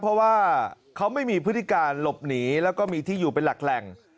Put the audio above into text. เพราะว่าเขาไม่มีพฤติการหลบหนีแล้วก็มีที่อยู่เป็นหลักแหล่ง